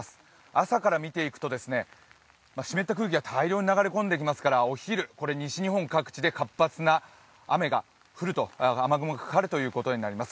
朝から見ていきますと湿った空気が大量に流れ込んできますから、お昼過ぎにあると、活発な雨が降る、雨雲がかかることになります。